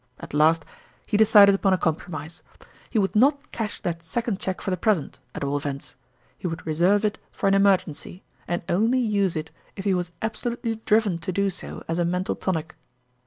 At last he decided upon a compromise : he would not cash that second cheque for the present, at all events ; he would reserve it for an emergency, and only use it if he was absolutely driven to do so as a mental tonic.